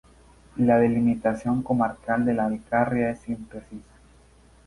La delimitación comarcal de la Alcarria es imprecisa.